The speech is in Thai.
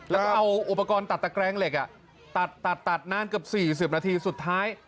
แล้วก็เอาอุปกรณ์ตัดตะแกรงเหล็กตัดนานเกือบ๔๐นาทีสุดท้าย